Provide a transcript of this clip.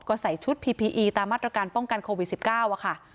ก็ใส่ชุดพีพีอีตามมาตรการป้องกันโควิด๑๙ค่ะ